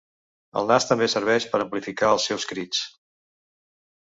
El nas també serveix per amplificar els seus crits.